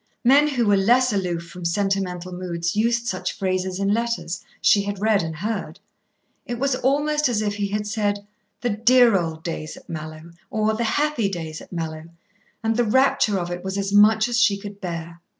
Men who were less aloof from sentimental moods used such phrases in letters, she had read and heard. It was almost as if he had said "the dear old days at Mallowe" or "the happy days at Mallowe," and the rapture of it was as much as she could bear.